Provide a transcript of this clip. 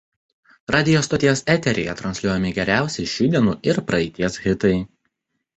Radijo stoties eteryje transliuojami geriausi šių dienų ir praeities hitai.